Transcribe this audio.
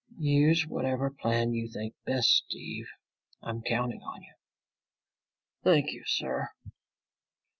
"Use whatever plan you think best, Steve. I'm counting on you." "Thank you, sir."